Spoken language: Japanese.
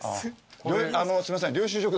あのすいません。